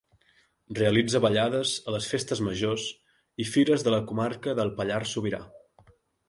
Realitza ballades a les festes majors i fires de la comarca del Pallars Sobirà.